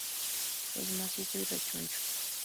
Es macizo y rechoncho.